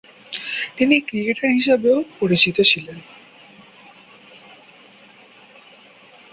তিনি ক্রিকেটার হিসেবেও পরিচিত ছিলেন।